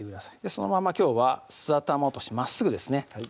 そのままきょうは素頭落としまっすぐですね